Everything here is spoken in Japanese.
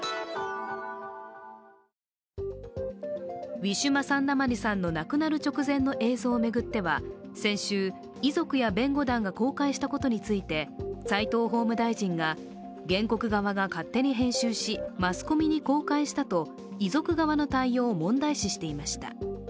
ウィジュマ・サンダマリさんの亡くなる直前の映像を巡っては先週、遺族や弁護団が公開したことについて齋藤法務大臣が原告側が勝手に編集しマスコミに公開したと遺族側の対応を問題視していました。